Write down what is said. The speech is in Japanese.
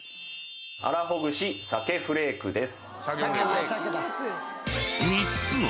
荒ほぐし鮭フレークです。